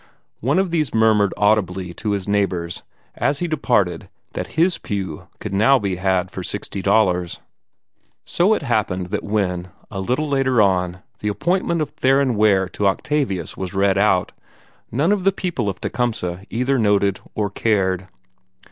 One of these murmured audibly to his neighbors as he departed that HIS pew could be had now for sixty dollars. So it happened that when, a little later on, the appointment of Theron Ware to Octavius was read out, none of the people of Tecumseh either noted or cared.